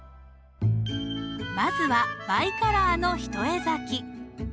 まずはバイカラーの一重咲き。